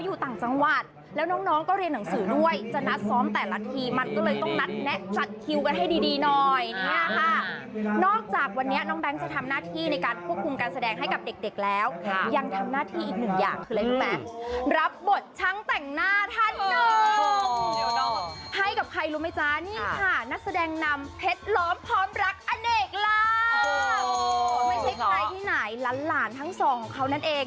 อยู่ต่างจังหวัดแล้วน้องก็เรียนหนังสือด้วยจะนัดซ้อมแต่ละทีมันก็เลยต้องนัดแนะจัดคิวกันให้ดีหน่อยนอกจากวันนี้น้องแบงค์จะทำหน้าที่ในการควบคุมการแสดงให้กับเด็กแล้วยังทำหน้าที่อีกหนึ่งอย่างคืออะไรรู้ไหมรับบทชั้นแต่งหน้าท่านให้กับใครรู้ไหมจ๊ะนี่ค่ะนักแสดงนำเพชรล้อมพร้อมรักอเ